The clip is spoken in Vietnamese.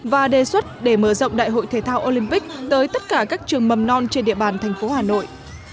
và đề xuất để mở rộng đại hội thể thao olympic tới tất cả các trường mầm non trên địa bàn thành phố hà nội